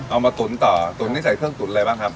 มาตุ๋นต่อตุ๋นนี้ใส่เครื่องตุ๋นอะไรบ้างครับ